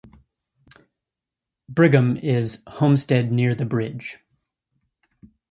'Brigham' is 'homestead near the bridge'.